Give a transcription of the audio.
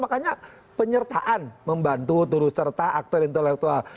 makanya penyertaan membantu turut serta aktor intelektual